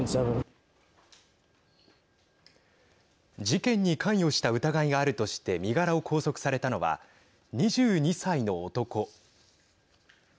事件に関与した疑いがあるとして身柄を拘束されたのは２２歳の男。